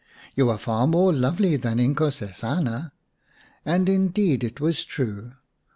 You are far more lovely than Inkosesana !" And indeed it was true.